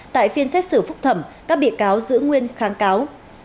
tại phiên xét xử phúc thẩm các bị cáo giữ nguyên kháng cáo